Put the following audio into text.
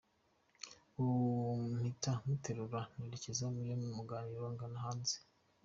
Ubwo mpita muterura, nerekeza iyo mu ruganiriro ngana hanze.